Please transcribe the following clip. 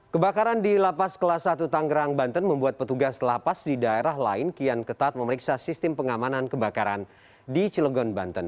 kebakaran di lapas kelas satu tanggerang banten membuat petugas lapas di daerah lain kian ketat memeriksa sistem pengamanan kebakaran di cilegon banten